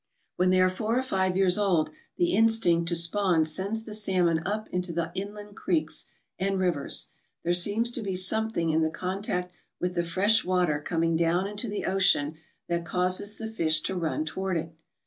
When they are four or five years old the instinct to spawn sends the salmon up into the inland creeks and rivers. There seems to be something in the contact with the fresh water coming down into the ocean that causes the fish to run toward it.